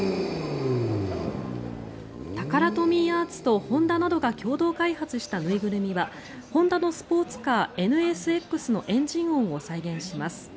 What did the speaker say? タカラトミーアーツとホンダなどが共同開発した縫いぐるみはホンダのスポーツカーＮＳＸのエンジン音を再現します。